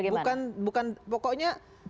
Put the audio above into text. bagaimana bukan pokoknya